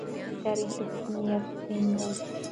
تاریخ د حاکمیت سند دی.